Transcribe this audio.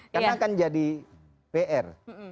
karena akan jadi pr